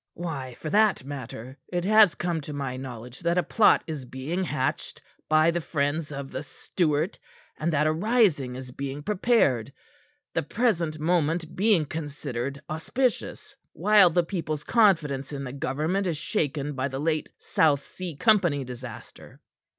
"Why, for that matter, it has come to my knowledge that a plot is being hatched by the friends of the Stuart, and that a rising is being prepared, the present moment being considered auspicious, while the people's confidence in the government is shaken by the late South Sea Company disaster."